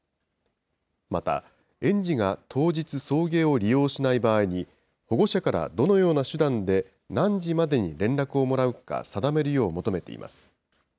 また、園児が当日送迎を利用しない場合に、保護者からどのような手段で、何時までに連絡をもらうか定めるよう求めています。